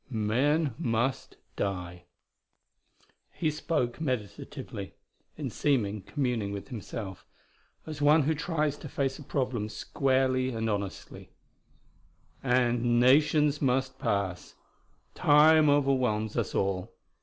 "Men must die," he spoke meditatively; in seeming communing with himself, as one who tries to face a problem squarely and honestly "and nations must pass; time overwhelms us all.